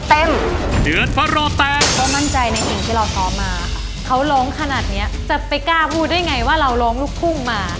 ตอนนี้เขาโรงขนาดนี้จะไปกล้าพูดได้ไงว่าเราโรงลูกทุ่งมา